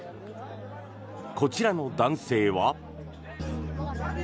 こちらの男性は。